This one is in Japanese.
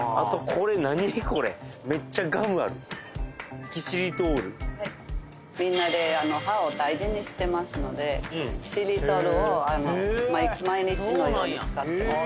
これキシリトールみんなで歯を大事にしてますのでキシリトールを毎日のように使ってます